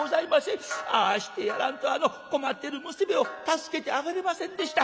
ああしてやらんと困ってる娘を助けてあげれませんでした」。